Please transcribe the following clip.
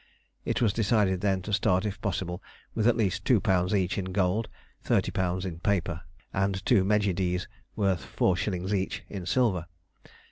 It was decided then to start if possible with at least £2 each in gold, £30 in paper, and two medjidies (worth four shillings each) in silver.